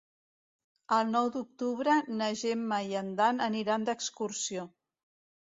El nou d'octubre na Gemma i en Dan aniran d'excursió.